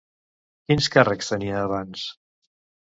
Quins càrrecs tenia abans?